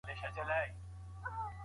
مراقبه کول د تمرکز لپاره ګټور دي.